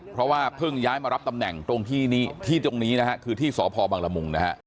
เพราะว่าเพิ่งย้ายมารับตำแหน่งตรงที่ตรงนี้นะฮะคือที่สพบังละมุงนะฮะ